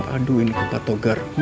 aduh ini kata togar